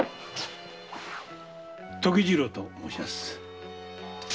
時次郎と申します。